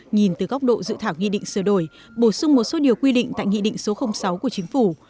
nhìn từ góc độ dự thảo nghị định sửa đổi bổ sung một số điều quy định tại nghị định số sáu của chính phủ